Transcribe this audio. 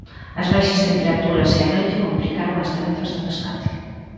As baixas temperaturas e a noite complicaron as tarefas de rescate.